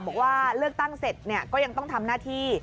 บอกว่าเลือกตั้งเสร็จก็ยังต้องทำหน้าที่